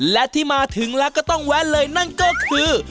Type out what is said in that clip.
และที่มาถึงแล้วก็ต้องแวะเลยนั่นก็คือ